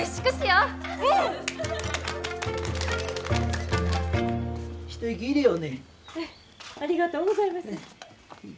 ありがとうございます。